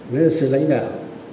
đó là sự lãnh đạo